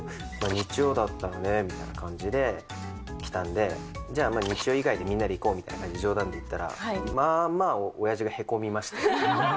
日曜だったらねみたいな感じで来たんで、じゃあ、日曜以外で、みんなで行こうみたいな感じで冗談で言ったら、まあまあおやじがへこみまして。